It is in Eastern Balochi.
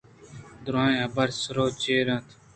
دُرٛاہیں حبر سر ءُ چیر اَنت